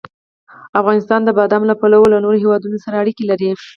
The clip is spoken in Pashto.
افغانستان د بادامو له پلوه له نورو هېوادونو سره اړیکې لري.